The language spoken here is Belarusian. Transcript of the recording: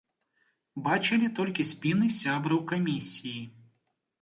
Бачылі толькі спіны сябраў камісіі.